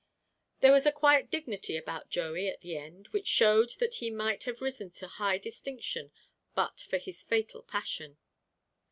There was a quiet dignity about Joey at the end, which showed that he might have risen to high distinction but for his fatal passion.